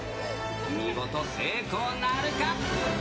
見事成功なるか。